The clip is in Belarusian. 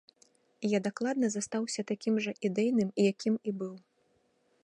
Я дакладна застаўся такім жа ідэйным, якім і быў.